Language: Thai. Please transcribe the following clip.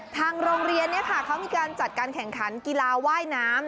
ทางโรงเรียนเขามีการจัดการแข่งขันกีฬาว่ายน้ำ